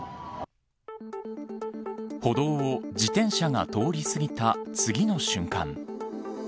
歩道を自転車が通り過ぎた次の瞬間。